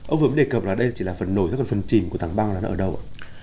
ông vừa cũng đề cập là đây chỉ là phần nổi đó là phần chìm của tảng băng là nó ở đâu ạ